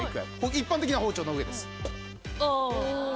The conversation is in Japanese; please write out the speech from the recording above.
一般的な包丁の上です。